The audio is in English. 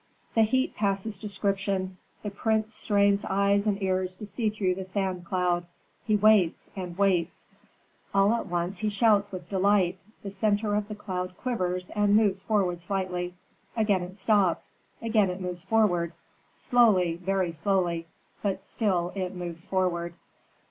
The heat passes description. The prince strains eyes and ears to see through the sand cloud. He waits and waits. All at once he shouts with delight. The centre of the cloud quivers and moves forward slightly. Again it stops, again it moves forward slowly, very slowly, but still it moves forward.